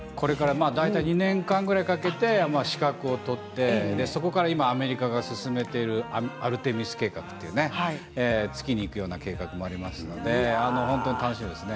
２年間ぐらいかけて資格を取ってそれから、アメリカが進めているアルテミス計画月に行くような計画もありますので本当に楽しみですね。